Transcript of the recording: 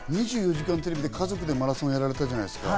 『２４時間テレビ』で家族でマラソンをやられたじゃないですか。